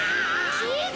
チーズ！